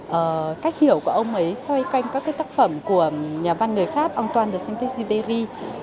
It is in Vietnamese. về cách hiểu của ông ấy xoay canh các tác phẩm của nhà văn người pháp antoine de saint supré